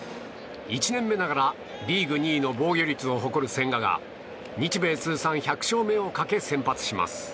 １年目ながらリーグ２位の防御率を誇る千賀が日米通算１００勝目をかけ先発します。